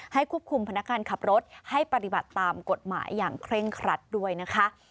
ควบคุมพนักงานขับรถให้ปฏิบัติตามกฎหมายอย่างเคร่งครัดด้วยนะคะ